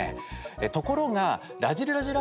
ところが「らじる★らじる」